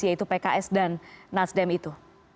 yaitu pks dan nasdem itu